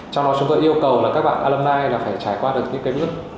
trong đó chúng tôi yêu cầu các bạn alumni phải trải qua được những bước